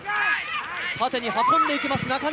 縦に運んでいきます、中根。